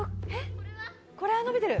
これは伸びてる？